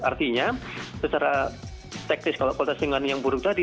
artinya secara teknis kalau kualitas lingkungan yang buruk tadi